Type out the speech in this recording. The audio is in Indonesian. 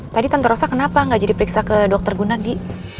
tadi tante rosa kenapa gak jadi periksa ke dokter gunardi